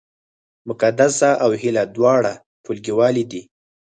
مقدسه او هیله دواړه ټولګیوالې دي